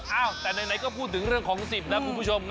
แต่ไหนก็พูดถึงเรื่องของ๑๐นะคุณผู้ชมนะ